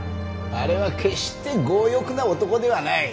あれは決して強欲な男ではない。